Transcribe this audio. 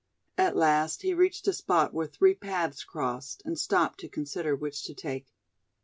At last he reached a spot where three paths crossed, and stopped to consider which to take.